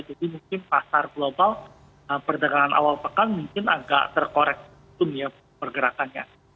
jadi mungkin pasar global perdagangan awal pekan mungkin agak terkoreksin ya pergerakannya